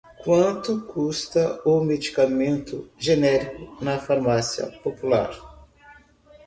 Quanto custa o medicamento genérico na farmácia popular?